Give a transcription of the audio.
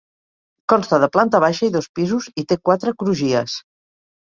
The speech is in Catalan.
Consta de planta baixa i dos pisos i té quatre crugies.